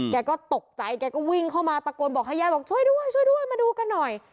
แกก็ตกใจแกก็วิ่งเข้ามาตะโกนบอกให้ยายบอกช่วยด้วยช่วยด้วยมาดูกันหน่อย